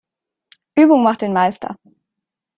Übung macht den Meister.